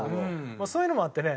そういうのもあってね